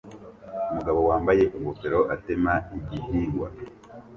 Umugabo wambaye ingofero atema igihingwa